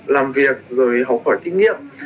làm việc rồi học hỏi kinh nghiệm